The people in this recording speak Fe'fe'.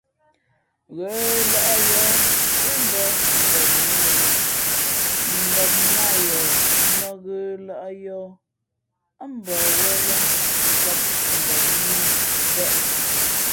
Ghə̌lᾱʼ yǒh siēmbᾱ ngopnā yoh, ngopnā yoh mᾱ ghə̌lᾱʼ yǒh, ά mbαwᾱlᾱ cōp ngopnā ī pəpēʼ.